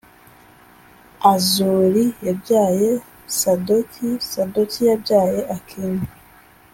Azori yabyaye sadoki sadoki yabyaye akimu